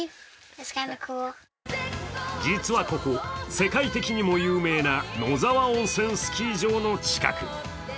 実はここ、世界的にも有名な野沢温泉スキー場の近く。